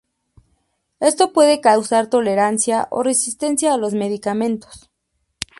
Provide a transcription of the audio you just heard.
Esto puede causar tolerancia o resistencia a los medicamentos.